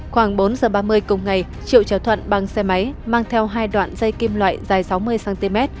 khoảng bốn giờ ba mươi cùng ngày triệu trở thuận bằng xe máy mang theo hai đoạn dây kim loại dài sáu mươi cm